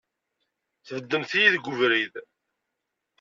Tbeddemt-iyi deg ubrid!